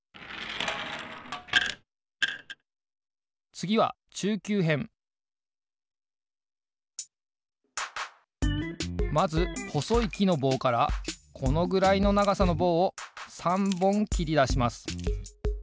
つぎはまずほそいきのぼうからこのぐらいのながさのぼうを３ぼんきりだします。